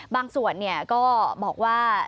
บางส่วนก็บอกว่า